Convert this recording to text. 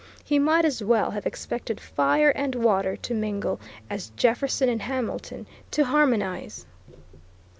He might as well have expected fire and water to mingle as Jefferson and Hamilton to harmonize.